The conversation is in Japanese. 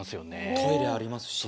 トイレありますしね。